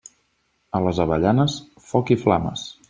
A les avellanes, foc i flames.